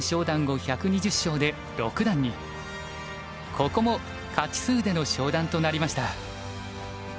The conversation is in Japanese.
ここも勝ち数での昇段となりました。